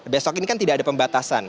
besok ini kan tidak ada pembatasan